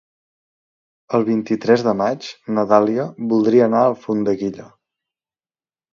El vint-i-tres de maig na Dàlia voldria anar a Alfondeguilla.